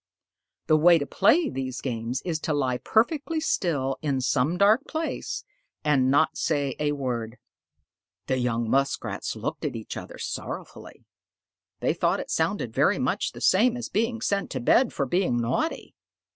The way to play these games is to lie perfectly still in some dark place and not say a word." The young Muskrats looked at each other sorrowfully. They thought it sounded very much the same as being sent to bed for being naughty.